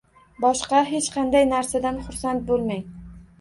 Boshqa hech qanday narsadan xursand bo'lmang.